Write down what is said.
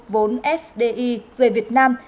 vốn fdi rời việt nam